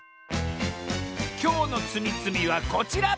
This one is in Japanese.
きょうのつみつみはこちら！